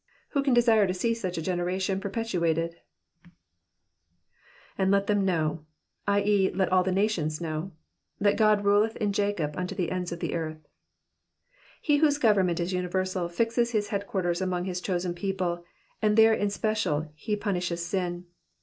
Who can desire to see such a generation perpetuated ? ^^And let them hioto ;'' i.e. J let all the nations know, that Ood ruteth in Jacob vnto the tnds of the earth."^^ He whose government is universal fixes his headquarters among his chosen people, and there in special he punishes sin.